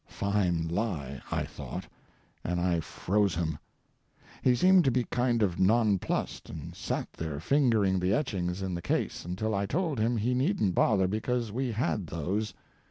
Fine lie, I thought, and I froze him. He seemed to be kind of non plussed, and sat there fingering the etchings in the case until I told him he needn't bother, because we had those.